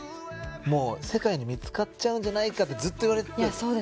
もう世界に見つかっちゃうんじゃないかってずっと言われてた。